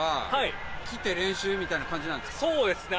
そうですね。